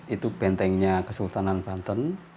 itu bentengnya kesultanan banten